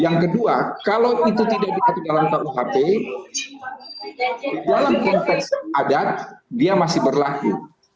yang kedua kalau itu tidak diatur dalam kuhp dalam konteks adat dia masih berlaku